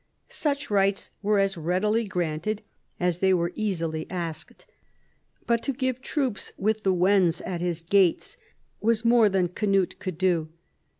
Such rights were as readily^ granted as they were easily asked, but to give troops, with the Wends at his gates, was more than Cnut could do.